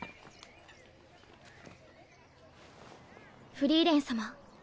フリーレン様。